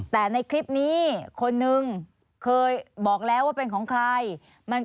แต่ในคลิปนี้คนนึงเคยบอกแล้วว่าเป็นของใคร